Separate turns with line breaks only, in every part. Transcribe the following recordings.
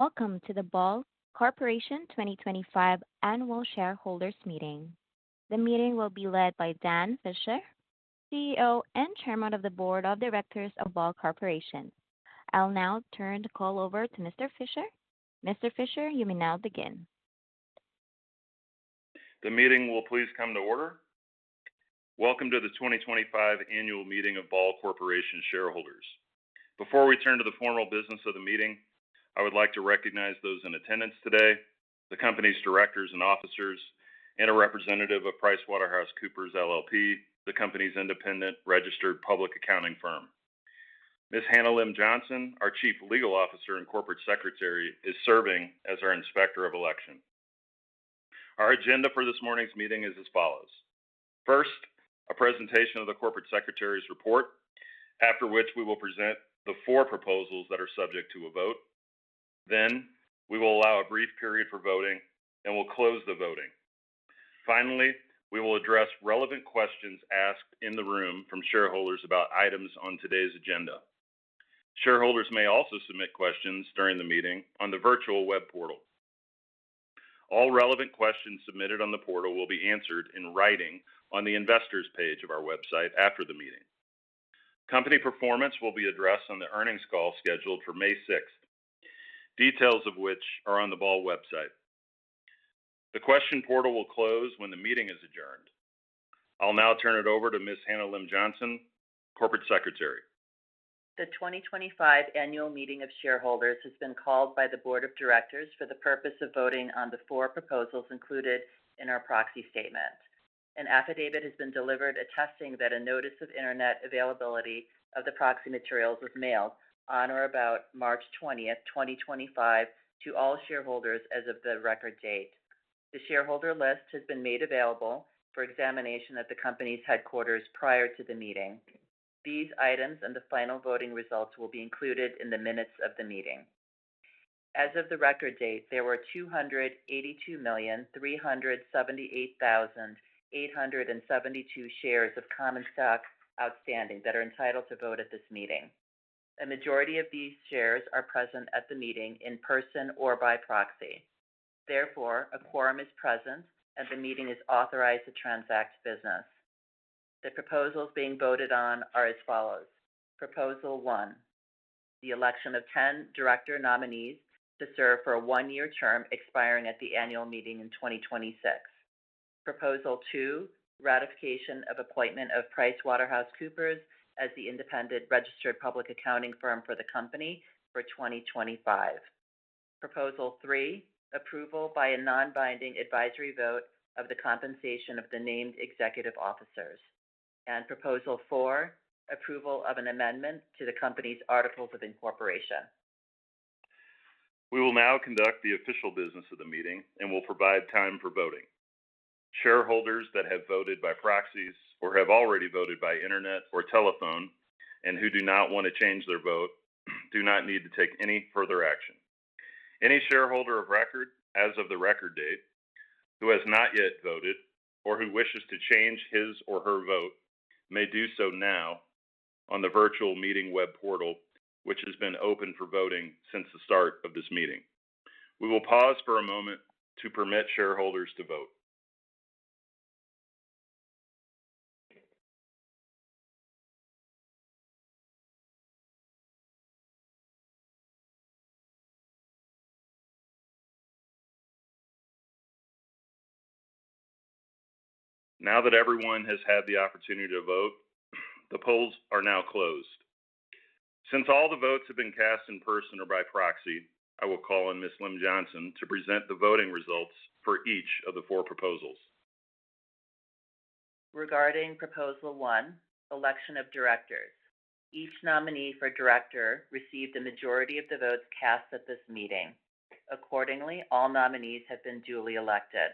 Welcome to the Ball Corporation 2025 Annual Shareholders Meeting. The meeting will be led by Dan Fisher, CEO and Chairman of the Board of Directors of Ball Corporation. I'll now turn the call over to Mr. Fisher. Mr. Fisher, you may now begin.
The meeting will please come to order. Welcome to the 2025 Annual Meeting of Ball Corporation shareholders. Before we turn to the formal business of the meeting, I would like to recognize those in attendance today, the company's directors and officers, and a representative of PricewaterhouseCoopers LLP, the company's independent registered public accounting firm. Ms. Hannah Lim-Johnson, our Chief Legal Officer and Corporate Secretary, is serving as our Inspector of Election. Our agenda for this morning's meeting is as follows: first, a presentation of the Corporate Secretary's report, after which we will present the four proposals that are subject to a vote. Then, we will allow a brief period for voting and will close the voting. Finally, we will address relevant questions asked in the room from shareholders about items on today's agenda. Shareholders may also submit questions during the meeting on the virtual web portal. All relevant questions submitted on the portal will be answered in writing on the Investors page of our website after the meeting. Company performance will be addressed on the earnings call scheduled for May 6th, details of which are on the Ball website. The question portal will close when the meeting is adjourned. I'll now turn it over to Ms. Hannah Lim-Johnson, Corporate Secretary.
The 2025 Annual Meeting of Shareholders has been called by the Board of Directors for the purpose of voting on the four proposals included in our proxy statement. An affidavit has been delivered attesting that a notice of internet availability of the proxy materials was mailed on or about March 20th, 2025, to all shareholders as of the record date. The shareholder list has been made available for examination at the company's headquarters prior to the meeting. These items and the final voting results will be included in the minutes of the meeting. As of the record date, there were 282,378,872 shares of common stock outstanding that are entitled to vote at this meeting. A majority of these shares are present at the meeting in person or by proxy. Therefore, a quorum is present and the meeting is authorized to transact business. The proposals being voted on are as follows: Proposal One, the election of 10 director nominees to serve for a one-year term expiring at the annual meeting in 2026. Proposal Two, ratification of appointment of PricewaterhouseCoopers as the independent registered public accounting firm for the company for 2025. Proposal Three, approval by a non-binding advisory vote of the compensation of the Named Executive Officers. And Proposal Four, approval of an amendment to the company's Articles of Incorporation.
We will now conduct the official business of the meeting and will provide time for voting. Shareholders that have voted by proxies or have already voted by internet or telephone and who do not want to change their vote do not need to take any further action. Any shareholder of record as of the record date who has not yet voted or who wishes to change his or her vote may do so now on the virtual meeting web portal, which has been open for voting since the start of this meeting. We will pause for a moment to permit shareholders to vote. Now that everyone has had the opportunity to vote, the polls are now closed. Since all the votes have been cast in person or by proxy, I will call on Ms. Lim-Johnson to present the voting results for each of the four proposals.
Regarding Proposal One, election of directors. Each nominee for director received the majority of the votes cast at this meeting. Accordingly, all nominees have been duly elected.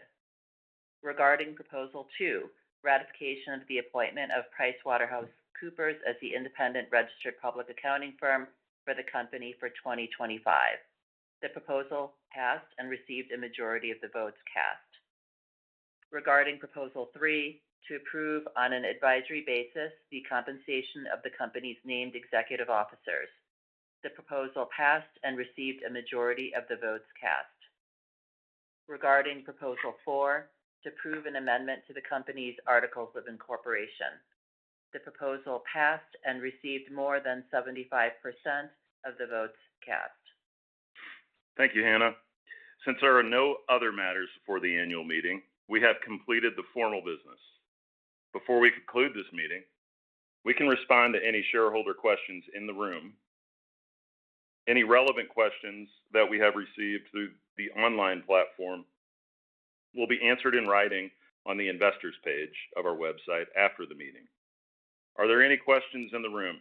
Regarding Proposal Two, ratification of the appointment of PricewaterhouseCoopers as the independent registered public accounting firm for the company for 2025. The proposal passed and received a majority of the votes cast. Regarding Proposal Three, to approve on an advisory basis the compensation of the company's Named executive officers. The proposal passed and received a majority of the votes cast. Regarding Proposal Four, to approve an amendment to the company's Articles of Incorporation. The proposal passed and received more than 75% of the votes cast.
Thank you, Hannah. Since there are no other matters for the annual meeting, we have completed the formal business. Before we conclude this meeting, we can respond to any shareholder questions in the room. Any relevant questions that we have received through the online platform will be answered in writing on the Investors page of our website after the meeting. Are there any questions in the room?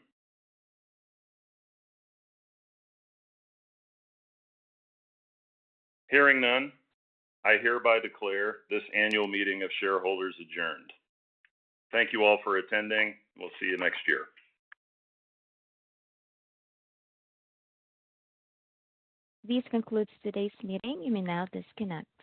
Hearing none, I hereby declare this annual meeting of shareholders adjourned. Thank you all for attending. We'll see you next year.
This concludes today's meeting. You may now disconnect.